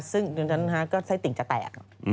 ซึ่งดังนั้นก็ไส้ติ่งจะแตก